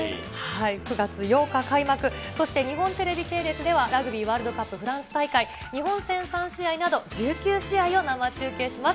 ９月８日開幕、そして日本テレビ系列では、ラグビーワールドカップフランス大会、日本戦３試合など、１９試合を生中継します。